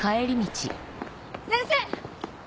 先生！